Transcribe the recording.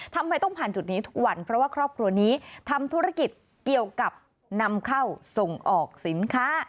ทำไมต้องผ่านจุดนี้ทุกวันเพราะว่าครอบครัวนี้ทำธุรกิจเกี่ยวกับนำเข้าส่งออกสินค้า